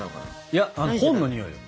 いや本のにおいよ！